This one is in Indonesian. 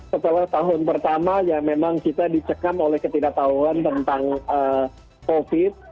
setelah tahun pertama ya memang kita dicekam oleh ketidaktahuan tentang covid